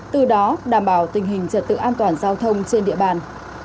từ đó đảm bảo tình hình trật tự an toàn giao thông trên địa bàn